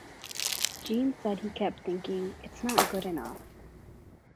Jean said he kept thinking 'It's not good enough.